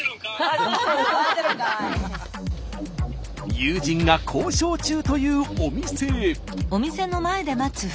友人が交渉中というお店へ。